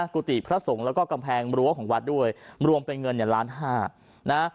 กุฏิพระสงฆ์แล้วก็กำแพงรั้วของวัดด้วยรวมเป็นเงินเนี่ยล้านห้านะ